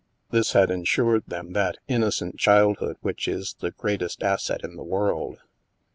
This had ensured them that innocent childhood which is the greatest asset in the world.